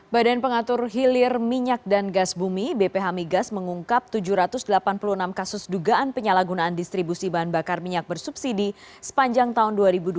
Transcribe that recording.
badan pengatur hilir minyak dan gas bumi bph migas mengungkap tujuh ratus delapan puluh enam kasus dugaan penyalahgunaan distribusi bahan bakar minyak bersubsidi sepanjang tahun dua ribu dua puluh